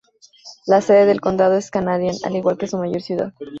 La sede del condado es Canadian, al igual que su mayor ciudad.